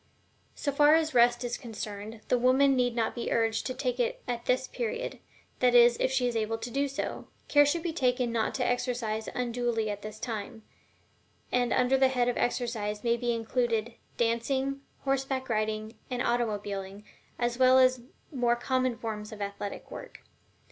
So far as Rest is concerned, the woman need not be urged to take it at this period that is, if she is able to do so. Care should be taken not to exercise unduly at this time, and under the head of exercise may be included dancing, horseback riding, and automobiling, as well as the more common forms of athletic work.